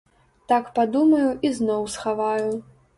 Так падумаю і зноў схаваю.